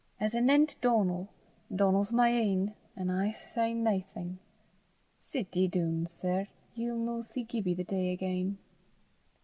As anent Donal, Donal's my ain, an' I s' say naething. Sit ye doon, sir; ye'll no see Gibbie the day again."